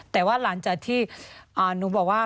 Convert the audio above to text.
แต่ว่าหลังจากที่หนูบอกว่า